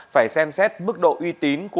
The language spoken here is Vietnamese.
phải xem xét mức độ uy tín